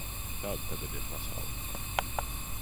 Tāda tagad ir pasaule.